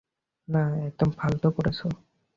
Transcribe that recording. না, একদম ফালতু করেছো।